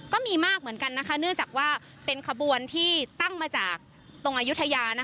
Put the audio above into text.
ก็มีมากเหมือนกันนะคะเนื่องจากว่าเป็นขบวนที่ตั้งมาจากตรงอายุทยา